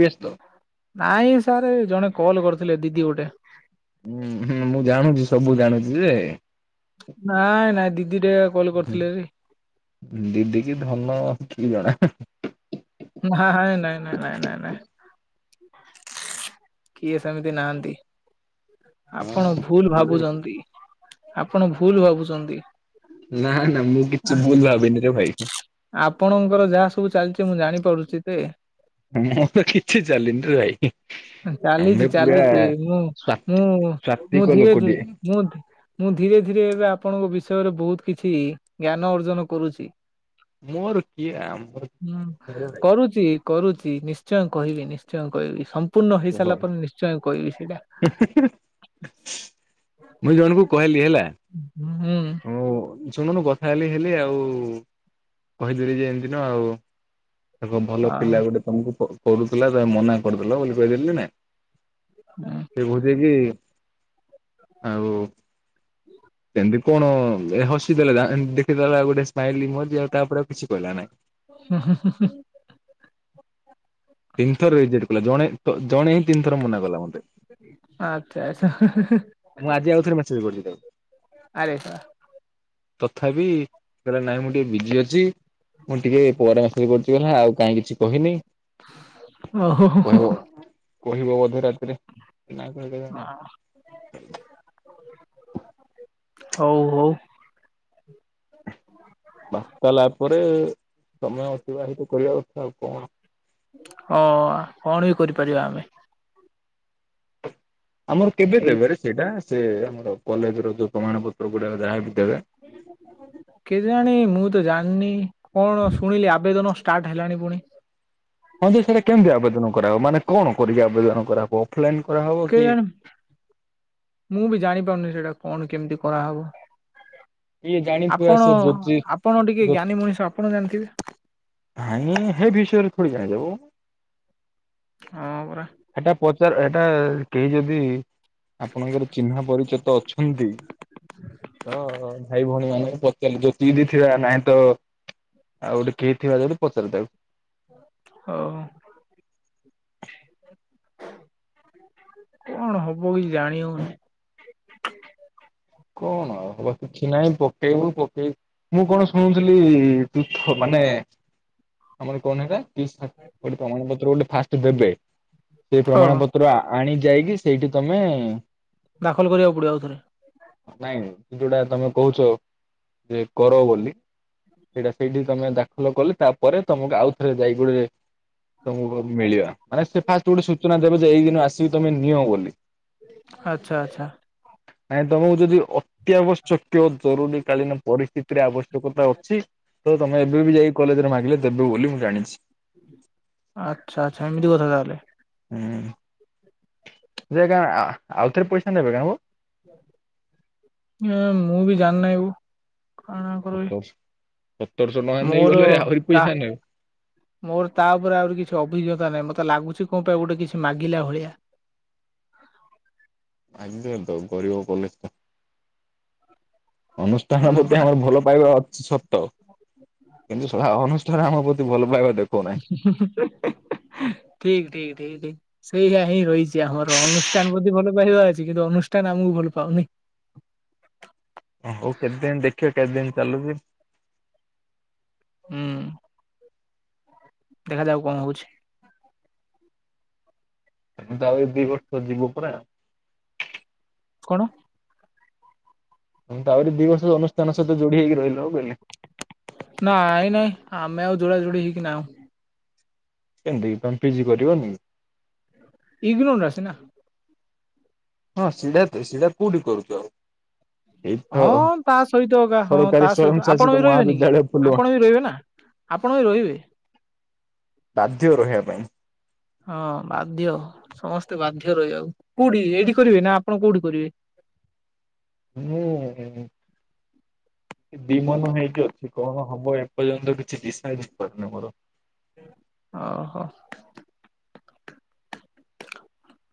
ବ୍ୟସ୍ତ। ନାଇଁ ସାରେ ଜଣେ କଲ୍ କରିଥିଲେ ଦିଦି ଗୋଟେ। ହୁ ହୁଁ ମୁଁ ଜାଣୁଛି ସବୁ ଜାଣୁଛି ଯେ। ନାଇଁ ନାଇଁ ଦିଦି ଟେ କଲ କରିଥିଲେରେ। ଦିଦି କି ଧନ ଠିକ୍ ଜଣା। ହଁ ହଁ ନାଇଁ ନାଇଁ ନାଇଁ ନାଇଁ ନାଇଁ। କିଏ ସେମିତି ନାହାଁନ୍ତି। ଆପଣ ଭୁଲ୍ ଭାବୁଛନ୍ତି। ଆପଣ ଭୁ୍ଲ୍ ଭାବୁଛନ୍ତି। ନା ନା ମୁଁ ଆ କିଛି ଭୁଲ୍ ଭାବିନିରେ ଭାଇ। ଆପଣଙ୍କର ଯାହା ସବୁ ଚାଲିଛି ମୁଁ ଜାଣିପାରୁଛି ତେ ହଁ ମୁଁ ତ କିଛି ଚାଲିନିରେ ଭାଇ। ଚାଲିଛି ଆମେ ପୁରା ଚାଲିଛି ମୁଁ ସ୍ଵାତି ମୁଁ ମୁଁ ସ୍ଵାତିକ ଧୀରେ ଧୀରେ ଲୋକଟିଏ। ମୁଁ ମୁଁ ଧୀରେ ଧୀରେ ଏବେ ଆପଣଙ୍କ ବିଷୟରେ ବହୁତ କିଛି ଜ୍ଞାନ ଅର୍ଜନ କରୁଛି। ମୋର କିଏ ଆମର ହୁଁ କିରେ ଭାଇ କରୁଛି। କରୁଛି ନିଶ୍ଚୟ କହିବି ନିଶ୍ଚୟ କହିବି। ସ ପୂର୍ଣ୍ଣ କହ ହେଇସାରିଲା ପରେ ନିଶ୍ଚୟ କହିବି ସେଇଟା। ମୁଇଁ ଜଣଙ୍କୁ କହିଲି ହେଲା। ହୁଁ ହୁଁ। ମୁଁ ଶୁଣୁନୁ କଥା ହେଲି ହେଲି ଆଉ କହିଦେଲି ଯେ ଏମିତି ତ ଆଉ। ତାକ ଭଲ ଅ ପିଲା ଗୋଟେ ତମୁକୁ ପଚିରୁଥୁଲା ତମେ ମନା କରିଦେଲ ବୋଲି କହିଦେଲି କି ନାଇଁ? ସେ କୋହୁଚି କି ଆଉ ସେମତି କଣ ଏ ହସି ଦେଲେ ରା ଦେଖିଦେଲା ଗୋଟେ ସ୍ମାଇଲ୍ ଇମୋଜି ଆଉ ତାପରେ ଆଉ କିଛି କହିଲା ନାଇଁ। ତିନି ଥର ରେଜିଡ଼଼୍ କଲା ଜଣେ ଜଣେ ହିଁ ତିନି ଥର ମନା କଲା ମତେ। ଆଚ୍ଛା ଆଚ୍ଛା ମୁଁ ଆଜି ଆଉଉଥରେ ମେସେଜ୍ କରିଚି ତାକୁ। ଆରେ ବାଃ। ତଥାପି କହିଲା ନାଇଁ ମୁଁ ଟିକେ ବିଜି ଅଛି। ମୁଁ ଟିକେ ପରେ ମେସେଜ୍ କରୁଚି ବୋଲେ ଆଉ କାଇଁ କିଛି କହିନେଇ। ଓ ହୋ ହୋ ହୋ ହୋ। କହିବ ବୋଧେ‌‌ ରା ରେ କି ନାଇଁ ପୁଣି କେଜାଣି ହଉ ହୋଉ। ବା କଲା ପରେ ସମୟ ଅତିବାହିତ କରିବା କଥା ଆଉ କଣ। କରିବା ଆମେ। ଆମର କେବେ ଏଇ ଦେବେରେ ସେଇଟା? ସେ ଆମର କଲେଜର ଯୋଉ ପ୍ରମାଣ ପତ୍ରଗୁଡ଼ାକ ଯାହାବି। ଦେବେ। କେ ଜାଣି ମୁଁ ତ ଜାଣିନି କଣ ଶୁଣିଲି ଆବେଦନ ଷ୍ଟାର୍ଟ ହେଲାଣି ପୁଣି। ହଁ ବେ ସେଟା କେମତି ଆବେଦନ କରାଅ ମାନେ କଣ କରିକି ଆବେଦନ କରାହବ ଅଫଲାଇନ୍ କେ ଜାଣ ମୁଁ ବି ଜାଣିପାରୁନି ସେଟା। କଣ କେମତି କରାହବ। କିଏ ଜାଣିଥିବା ଆପଣ ସେ ଜ୍ୟୋତି ଆପଣ ଟିକେ ଜ୍ଞାନୀ ମଣିଷ ଆପଣ ଜାଣିଥିବେ। ନାହିଁ ହେ ବିଷୟରେ କୋଉଠି ଜାଣି ହବ। ହଁ ପରା। ହେଟା ପଚାର ଏଟା କେହି ଯଦି ଆପଣଙ୍କର ଚିହ୍ନା ପରିଚିତ ଅଛନ୍ତି ତ ଭାଇ ଭୋଉଣୀମାନେ ପଚାରିଲି ଜ୍ୟୋତିଇଦି ଥିଅ ନାଇଁ ତ ଆଉ ଗୋଟେ କେ ଥିବା ଯଦି ପଚାରେ ତାକୁ। ହଉ। କଣ ହବ କିଛି ଜାଣିହୋଉନେଇ। କଣ ଆଉ ହବ କିଛି ନାଇଁ ପକେଇବୁ ପକେଇ ମୁଁ କଣ ଶୁଣୁଥୁଲି ପିଫ ମା ନେ ଆମର କଣ ହେଟା କିସା ବୋଇଲେ କଣ ଆମ [unintelligible] ଫାଷ୍ଟ ଦେବେ। ଯେ ଓହୋ ପ୍ରମାଣ ପତ୍ର ଆଣି ଯାଇକି ସେଇଠି ତମେ ଦାଖଲ କରିବାକୁ ପଡ଼ିବ ଆଉ ଥରେ। ନାଇଁ ଯୋଉଟା ତମେ କୋହୁଚ ଯେ କର ବୋଲି ସେଇଟା ସେଇଠି ତମେ ଦାଖଲ କଲେ ତାପରେ ତମୁକୁ ଆଉ ଥରେ ଯାଇ ଯୋଡ଼େ ତମୁକୁ ମିଳିବ। ମାନେ ସେ ଫାଷ୍ଟ ଗୋଟେ ସୂଚନା ଦେବେ ଯେ ଏଇ ଦିନ ଆସିକି ତମେ ନିଅ ବୋଲି। ଆଚ୍ଛା ଆଚ୍ଛା। ନାଇଁ ତମୁକୁ ଯଦି ଅତ୍ୟାବଶ୍ୟକୀୟ ଜରୁରୀ କାଳୀନ ପରିସ୍ଥିତିରେ ଆବଶ୍ୟକତା ଅଛି ତ ତମେ ଏବେ ବି ଯାଇ କଲେଜରେ ମାଗିଲେ ତେବେ ବୋଲି ମୁଁ ଜାଣିଛି। ଆଚ୍ଛା ଆଚ୍ଛା ଏମିତି କଥା ତାହେଲେ। ଉଁ ଯେ କାଏଁ ଆ ଆଉ ଥରେ ପଇସା ନେବେ କା ହୋ। ନାଁ ମୁଁ ବି ଜାଣିିନେଇ ଓ। କାଣା କରବି? ସତର ସତରଶହ ଟଙ୍କା ମୋର ନେଇଗଲେ ଆହୁରି ତା ପଇସା ନେବେ ମୋର ତାପରେ ଆହୁରି କିଛି ଅଭିଜ୍ଞତା ନାହିଁ ମ ତେ ଲାଗୁଛି କଁ ପାଇଁ ଗୋଟେ କିଛି ମାଗିଲା ଭଳିଆ। ଆଗିଅ ତ ଗରିଅ କଲେଜଟା। ଅନୁଷ୍ଠାନ ହୁଁ ପତି ପରା ଆମର ଭଲ ପାଇବା ଛି ସତ କିନ୍ତୁ ଶଳା ଅନୁଷ୍ଠାନ ଆମ ପ୍ରତି ଭଲ ପାଇବା ଦେଖଉନାହିଁ। ହିଁ ହିଁ ହିଁ ଠିକ୍ ଠିକ୍ ଠିକ୍। ସେଇୟା ହିଁ ରହିଛି ଆମର ଅନୁଷ୍ଠାନ ପ୍ରତି ଭଲ ପାଇବା ଅଛି। କିନ୍ତୁ ଅନୁଷ୍ଠାନ ଆମକୁ ଭଲ ପାଉନି। [inaudible] ଚାଲୁ ଫି ହୁଁ। ଦେଖାଯାଉ କଣ ହଉଛି। ଏ ତାଉ ଦି ବର୍ଷ ଯିବୁ ପରା। କଣ? ମୁଁ ତ ଆହୁରି ଦି ବର୍ଷ ଅନୁଷ୍ଠାନ ସହିତ ଯୋଡି ହେଇକି ରହିଲ ହଉ କହିଲି। ନାଇଁ ନାଇଁ ଆମେ ଆଉ ଯୋଡ଼ା ଯୋଡି ହେଇକି ନାହୁ। କେମତିକି ତମେ ପିଜି କରିବନି? ଇଗ୍ନୋ ଟା ସିନା। ହଁ ସିଢା ତ ସିଢା କୋଉଠି କରୁଚ? ହଁ ତା ସହିତ ଏକା ହଁ ସରକାରୀ ତା ସହିତ ସ୍ଵୟଂଶାସିତ ଆପଣ ବି ରହିବେନି କି ମହାବିଦ୍ୟାଳୟ ଫୁଲବାଣୀ ଆପଣ ବି ରହିବେ ନା। ଆପଣ ବି ରହିବେ। ବାଧ୍ୟ ରହିବା ପାଇଁ। ହଁ ବାଧ୍ୟ ସମସ୍ତେ ବାଧ୍ୟ ରହିବାକୁ। କୋଉଠି ଏଇଠି କରିବେ ନା ଆପଣ କୋଉଠି କରିବେ? [inaudible] ହୁଁ ହୁଁ। [inaudible] ଦି ମନ ହେଇକି ଅଛି କଣ ହବ ଏପର୍ଯ୍ୟନ୍ତ କିଛି ଦିଶାଇଡ ହେଇପାରୁନି ମୋର। ଓ ହୋ।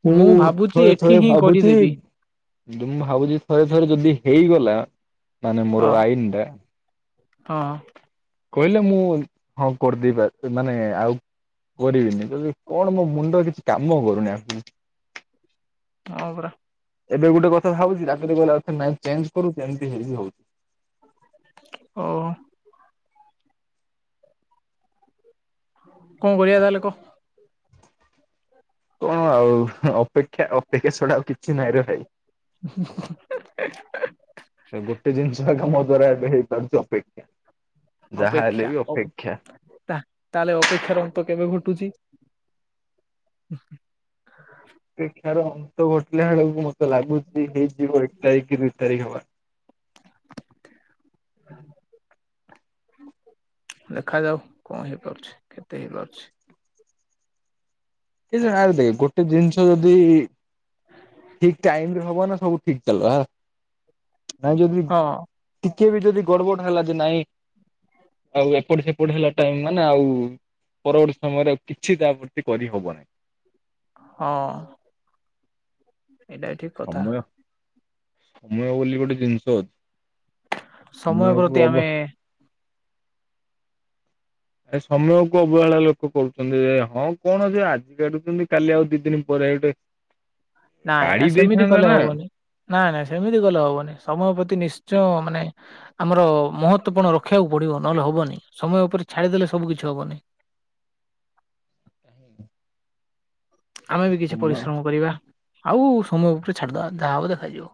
ମୁଁ ଭାବୁଛି ଥରେ ଏଠି ଥରେ ହିଁ ଭାବୁଛି କରିଦେବି ଭାବୁଛି ଥରେ ଥରେ ଯଦି ହେଇଗଲା ମାନେ ମୋର ହଁ ଆଇନ୍ ଟା ହଁ। କହିଲେ ମୁଁ ହଁ କରିଦେଇ ପା ମାନେ ଆଉ କରିବିନି ଜଦି କଣ ମୋ ମୁଣ୍ଡ କିଛି କାମ କରୁନି ଆସିକି। ହଁ ପରା। ଏବେ ଗୋଟେ କଥା ଭାବୁଛି ରାତିରେ ଶୋଇଲା ବେଳକୁ ପୁଣି ନାଇ ଚେଞ୍ଜ କରୁଛି ଏମିତି ହେଇ ହେଉଛି। ଓ। କଣ କରିଆ ତାହେଲେ କହ। କଣ ଆଉ ଅପେକ୍ଷା ଅପେକ୍ଷା ଛଡା ଆ କିଛି ନାହିଁରେ ଭାଇ। ଏ ଗୋଟେ ଜିନିଷ ଏକା ମୋ ଦ୍ଵାରା ଏବେ ହେଇ [unintelligible] ଅପେକ୍ଷା। ଯାହା ହେଲେ ଅପେକ୍ଷା ବି ଓ ଅପେକ୍ଷା। ତା ତାହେଲେ ଅପେକ୍ଷାର ଅନ୍ତ କେବେ ଘଟ୍ ଟୁଛି। ଅପେକ୍ଷାର ଅନ୍ତ ଘଟିଲା ବେଳକୁ ମତେ ଲାଗୁଛି ହେଇଯିବ ଏ ଥାଇକି ରି ଥାଇକି ହେବା। [inaudible] ଦେଖାଯାଉ କଣ ହେଇପାରୁଛି କେତେ ହେଇପାରୁଛି। [unintelligible] ଦେଖ ଗୋଟେ ଜିନିଷ ଯଦି-ଇ-ଇ ଠିକ ଟାଇମରେ ହବ ନା ସବୁ ଠିକ ଚାଲିଲା ନାଇଁ ଯଦି ହଁ ଟିକେ ବି ଯଦି ଗଡବଡ ହେଲା ଯେ ନାଇଁ ଆଉ ଏପଟ ସେପଟ ହେଲା ଟାଇମ ମାନେ ଆଉ-ଉ-ଉ ପରବର୍ତ୍ତୀ ସମୟରେ ଆଉ କିଛି ତାପତ୍ତି କରିହବନହିଁ। ହଁ। ଏଇଟା ଠିକ କଥା। ମୁଁ ବୋଲି ଗୋଟେ ଜିନିଷ ଅ ସମୟ ପ୍ରତି ଆମେ ଏ ସମୟ କ ଅବହେଳା ଲୋକ କରୁଛନ୍ତି ଯେ ହଁ କଣ ଯେ ଆଜି କାଟୁଛନ୍ତି କାଲି ଆଉ ଦି ଦିନ ପରେ [unintelligible] ନାଇଁ ନା କାଢି ସେମିତି ଦେଇଥାନ୍ତା କଲେ ନା ହବନି। ନାଇଁ ନାଇଁ ସେମିତି କଲେ ହବନି ସମୟ ପ୍ରତି ନିଶ୍ଚୟ ମାନେ। ଆମର ମହତ୍ୱ ପଣ ରଖିବାକୁ ପଡିବ ନହେଲେ ହବନି ସମୟ ଉପରେ ଛାଡ଼ିଦେଲେ ସବୁ କିିଛି ହବନି। କାହିଁକି? ଆମେ ବି କିଛି ପରିଶ୍ରମ କରିବା। ଆଉ ସମୟ ଉପରେ ଛାଡିଦବା ଯାହା ହବ ଦେଖାଯିବ।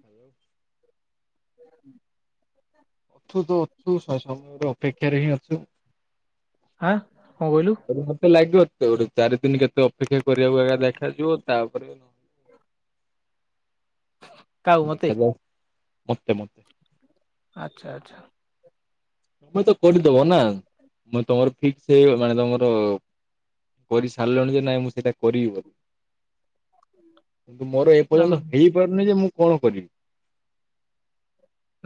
ହାଲୋ। ଅଛୁ ତ ଅଛୁ ସ-ସମୟ ର ଅପେକ୍ଷାରେ ହିଁ ଅଛୁ। ଆଁ କଣ କହିଲୁ ତେବେ ମତେ ଲାଗିବ। ସେଉଠୁ ଚାରି ଦିନ କେତେ ଅପେକ୍ଷା କରିବାକୁ ଏକା ଦେଖାଯିବ ତାପରେ ନହେଲେ। କାହାକୁ ମତେ ଦେଖାଯାଉ ମତେ ମତେ। ଆଚ୍ଛା ଆଚ୍ଛା। ତମେ ତ କରିଦବ ନା ମୁଁ ତମର ଫିକ୍ସ ହେଇଗଲାଣି ତମର। କରି ସାରିଲେଣି ଯେ ନାଇଁ ମୁଁ ସେଇଟା କରିବି ବୋଲି। ହୁଁ। କିନ୍ତୁ ମୋର ଏପର୍ଯ୍ୟନ୍ତ ହେଇପାରୁନି ଯେ ମୁଁ କଣ କରିବି।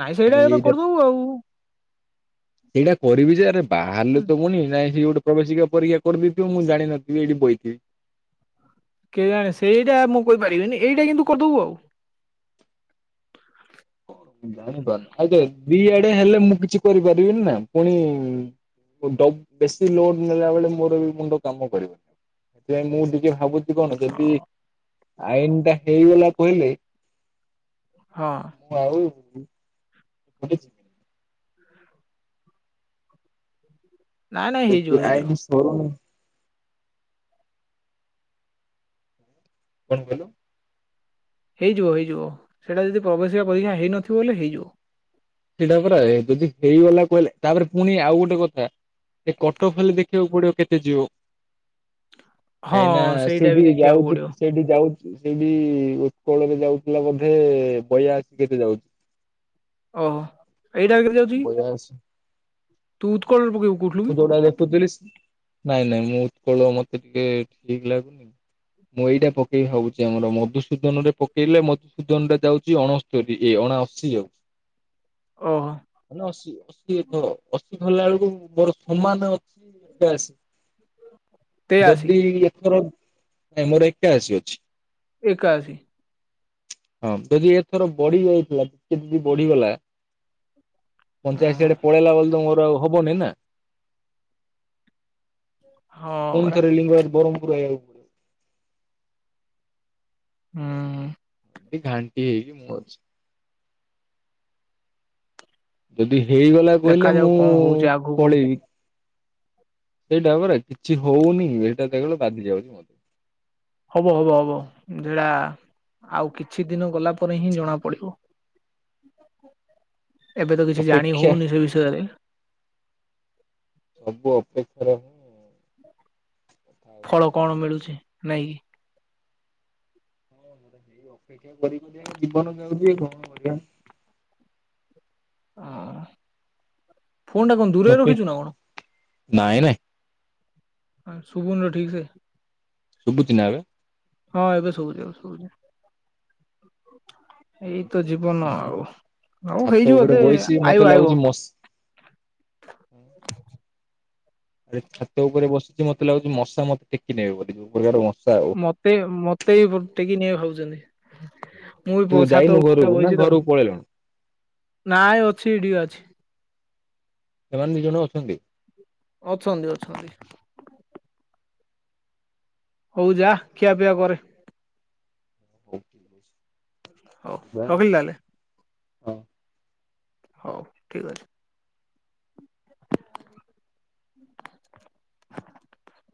ନାଇଁ ସେଇଟା ହି ତ କରିଦବୁ ଆଉ। ସେଇଟା କରିବି ଯେ ଆରେ ବାହାରିଲେ ତ ପୁଣି ନାଇଁ ସେ ପ୍ରବେଶିକା ପରୀକ୍ଷା କରିଦେଇଥିବ ମୁଁ ଜାଣିନଥିବି ଏଇଠି ବଇଥିବି। କେଜାଣେ ସେଇଟା ମୁଁ କହିପାରିବିନି ଏଇଟା କିନ୍ତୁ କରିଦବୁ ଆଉ। ହୁଁ। ଜାଣିପାରୁନି ଆଗେ ଦି ଆଡେ ହେଲେ ମୁଁ କିଛି କରିପାରିବିନି ନା ପୁଣି। [unintelligible] ବେଶୀ ଲୋଡ ନେଲା ବେଳେ ମୋର ବି ମୁଣ୍ଡ କାମ କରିବନି। ଏଥିପାଇଁ ମୁଁ ଟିକେ ଭାବୁଛି କଣ ଯଦି। ଆଇନ ଟା ହେଇଗଲା କହିଲେ। ହଁ ମୁଁ ଆଉ ଯିବିନି। ନାଇଁ ନାଇଁ ହେଇଯିବ [unintelligible] ହେଇଯିବ। ଆଇନି ସରୁନି। କଣ କହିଲୁ? ହେଇଯିବ ହେଇଯିବ ସେଇଟା ଯଦି ପ୍ରବେଶିକା ପରୀକ୍ଷା ହେଇନଥିବ ବେଲେ ହେଇଯିବ। ସେଟା ପରା ଯଦି ହେଇଗଲା କହିଲେ ତାପରେ ପୁଣି ଆଉ ଗୋଟେ କଥା। ଏ କଟଅଫ ଖାଲି ଦେଖିବାକୁ ପଡିବ କେତେ ଯିବ। ହ। ଏଇନା ସେଇଠି ଯାଉଛି ସେଇଠି ଯାଉ ସେଇଠି ଉତ୍କଳରେ ଯାଉଥିଲା ବୋଧେ ବାୟାଆଶି କେତେ ଯାଉଛି। ଓହୋ। ଏଇଟା କେମିତି ଯାଉଛି ବୟାଅଶୀ ତୁ ଉତ୍କଳରେ ପକେଇବୁ କହୁଥିଲୁ ମୁଁ କି ଯୋଉଟା ଦେଖୁଥିଲି ସ ନାଇଁ ନାଇଁ ମୁଁ ଉତ୍କଳ ମତେ ଟିକେ ଠିକ ଲାଗୁନି। ମୁଁ ଏଇଟା ପକେଇବି ଭାବୁଛି ଆମର ମଧୁସୂଦନ ରେ ପକେଇଲେ ମଧୁସୂଦନ ରେ ଯାଉଛି ଅଣସ୍ତରୀ ଇଏ ଅ ଅଣାଅଶୀ ଆଉ। [inaudible] ଓହୋ ଅଣାଅଶୀ ଅଶୀ ଅ ଅଶୀ ଧରିଲା ବେଳକୁ। ମୋର ସମାନ ଅଛି ଏକାଅଶୀ। ତେୟାଅଶୀ ଯଦି ଏଥର ନାଇ ମୋର ଏକାଅଶୀ ଅଛି। ଏକାଅଶୀ। ହଁ ଯଦି ଏଥର ବଢି ଯାଇଥିଲା ଯଦି ବଢିଗଲା। ପଞ୍ଚାଅଶୀ ଓହୋ ଆଡ଼େ ପଳେଇଲା ବେଲେ ତ ମୋର ଆଉ ହବନି ନା। ହଁ। ପୁଣି ପରା ଥରେ ଲିଙ୍ଗରାଜ ବ୍ର୍ମପୁର ଆଉ ହୁଁ। ଏ ଘାଣ୍ଟି ହେଇ ମ ଯଦି ହେଇଗଲା କହିଲେ ଦେଖାଯାଉ ମୁଁ କଣ ହଉଛି ଆଗକୁ ପଳେଇବି ସେଇଟା ପରା କିଛି ହଉନି ଏଇଟା କେବଳ ବାଧି ଯାଉଛି ମ ହବ ହବ ହବ ଯା ଆଉ କିଛି ଦିନ ଗଲା ପରେ ହିଁ ଜଣା ପଡିବ। ଏବେ ତ କିଛି ଜାଣି ଅପେକ୍ଷା ହଉନି ସେ ବିଷୟରେ ସବୁ ଅପେକ୍ଷା ର ଫଳ କଣ ମିଳୁଛି ନାଇଁ କିି ହଁ ଗୋଟ ହେଇ ଅପେକ୍ଷା [inaudible] କରି ଜୀବନ ଯାଉଛି କଣ କରିବା ଅଁ ଫୋନ୍ ଟା କଣ ଦୂରେରେ ରଖିଛୁ ନା କଣ? ନାଇଁ ନାଇଁ ହ ଶୁବୁନି ତ ଠିକ୍ ସେ ଶୁଭୁଛି ନା ଏବେ ହଁ ଏବେ ସବୁଛି ସବୁଛି ଏଇତ ଜୀବନ ଆଉ ଆଉ ଛାତ ହେଇଯିବ ଉପରେ ଏତେ ବଇଛି ଆଇବ ଆଇବ ହୁଁ। ଆରେ ଛାତ ଉପରେ ବସିଛି ମତେ ଲାଗୁଛି ମଶା ମତେ ଟେକି ନେବେ ବୋଲି ଯୋଁ ପ୍ରକାର ମଶା। ଆଉ। ମତେ ମତେ ବି ଟକିକି ନେବେ ଭାବଛନ୍ତି। ମୁଁ ବି ତୁ ପ ଯାଇନୁ ଘରକୁ ଛାତଉପରେ ନା ବଇଛି ତ ଘରକୁ ପଳେଇଲୁଣି ନାଇଁ ଅଛି ଏଇଠି କି ଅଛି ଏମାନେ ଦିଇ ଜଣ ଅଛନ୍ତି। ଅଛନ୍ତି ଅଛନ୍ତି। ହଉ ଯା ଖିଆ ପିଆ କରେ। ହୁ। ହଉ ରଖିଲି ତା ହେଲେ। ହଉ। ହଉ ଠିକ ଅଛି। [unintelligible]